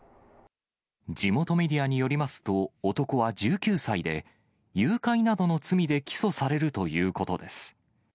地元メディアによりますと、男は１９歳で、誘拐などの罪で起訴されるということです。